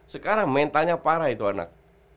sekarang mentalnya parah itu anak